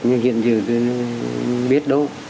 như hiện giờ tôi biết đó